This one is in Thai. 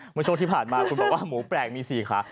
เมื่อช่วงที่ผ่านมาคุณบอกว่าหมูแปลกมี๔ขา